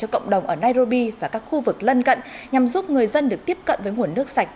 của nairobi và các khu vực lân cận nhằm giúp người dân được tiếp cận với nguồn nước sạch